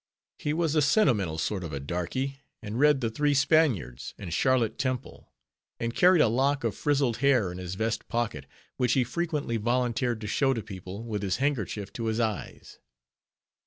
He was a sentimental sort of a darky, and read the "Three Spaniards," and "Charlotte Temple," and carried a lock of frizzled hair in his vest pocket, which he frequently volunteered to show to people, with his handkerchief to his eyes.